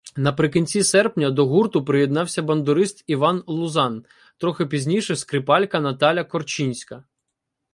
Наприкінці серпня до гурту приєднався бандурист Іван Лузан, трохи пізніше скрипалька Наталя Корчинська.